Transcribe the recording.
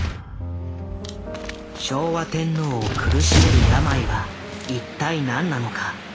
昭和天皇を苦しめる病は一体何なのか。